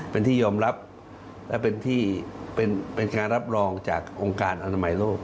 เป็นที่ยอมรับและเป็นการรับรองจากองค์การอนามัยโลก